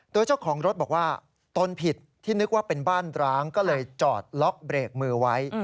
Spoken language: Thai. โดยเจ้าของรถบอกว่าตนผิดที่นึกว่าเป็นบ้านร้างก็เลยจอดล็อกเบรกมือไว้